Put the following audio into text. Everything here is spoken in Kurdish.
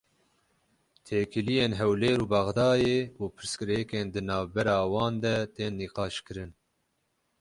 Têkiliyên Hewlêr û Bexdayê û pirsgirêkên di navbera wan de tên nîqaşkirin.